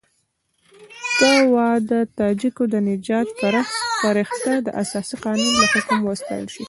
ته وا د تاجکو د نجات فرښته د اساسي قانون له حکم وستایل شي.